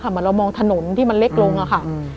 เหมือนเรามองถนนที่มันเล็กลงอะค่ะ